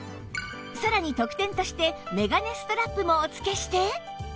さらに特典としてメガネストラップもお付けして